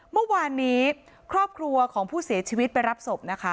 เมื่อวานนี้ครอบครัวของผู้เสียชีวิตไปรับศพนะคะ